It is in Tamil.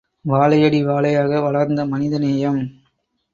வாழையடி வாழையாக வளர்ந்த மனித நேயம்!